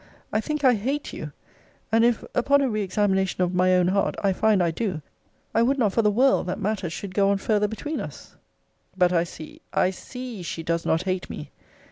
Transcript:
I think I hate you. And if, upon a re examination of my own heart, I find I do, I would not for the world that matters should go on farther between us. But I see, I see, she does not hate me!